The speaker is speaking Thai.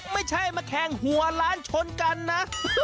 ไม่ใช่มาแข่งหัวล้านชนกันนะ